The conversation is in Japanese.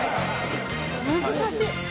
難しい！